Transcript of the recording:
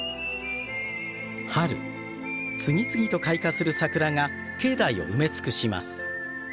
春次々と開花する桜が境内を埋め尽くします。